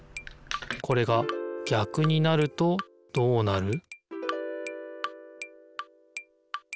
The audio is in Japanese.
これが逆になるとどうなる？